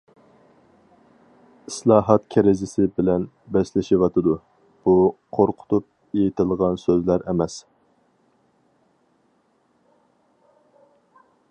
ئىسلاھات كىرىزىس بىلەن بەسلىشىۋاتىدۇ، بۇ قورقۇتۇپ ئېيتىلغان سۆزلەر ئەمەس.